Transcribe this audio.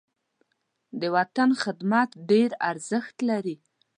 د وطن خدمت ډېر ارزښت لري.